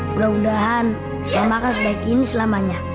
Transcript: mudah mudahan mama akan sebaik ini selamanya